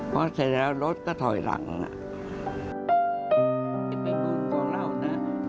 เพราะเสร็จแล้วรถก็ถอยหลังแล้วน่ะ